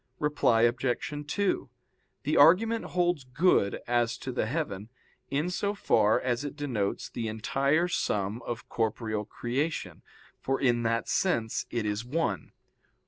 Reply Obj. 2: The argument holds good as to the heaven, in so far as it denotes the entire sum of corporeal creation, for in that sense it is one.